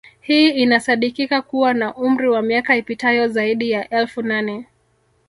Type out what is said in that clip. Hii inasadikika kuwa na umri wa miaka ipitayo zaidi ya elfu nane